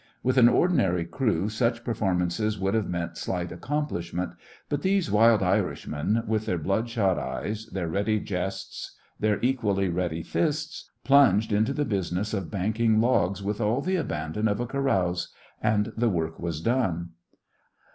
With an ordinary crew such performances would have meant slight accomplishment, but these wild Irishmen, with their bloodshot eyes, their ready jests, their equally ready fists, plunged into the business of banking logs with all the abandon of a carouse and the work was done.